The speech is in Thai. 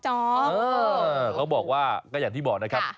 เขาบอกว่าก็อย่างที่บอกนะครับ